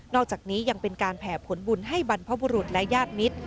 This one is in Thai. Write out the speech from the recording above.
อกจากนี้ยังเป็นการแผ่ผลบุญให้บรรพบุรุษและญาติมิตร